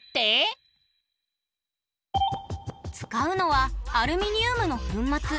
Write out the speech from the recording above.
使うのはアルミニウムの粉末。